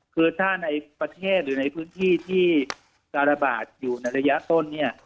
คือถ้าในประเทศหรือในพื้นที่ที่การระบาดอยู่ในระยะต้นเนี่ย